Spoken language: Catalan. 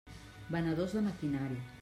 Venedors de maquinari.